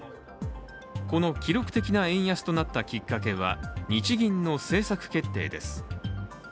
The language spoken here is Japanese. この記録的な円安となったきっかけは日銀の政策決定です。